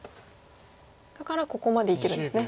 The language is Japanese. だからここまでいけるんですね。